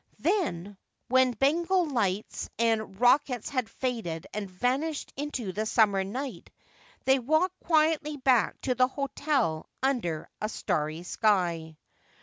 Then, when Bengal lights and rockets had faded and vanished into the summer night, they walked quietly back to the hotel under a starry sky.